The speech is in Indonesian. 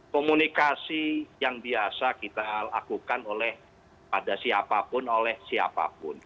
komunikasi yang biasa kita lakukan pada siapapun oleh siapapun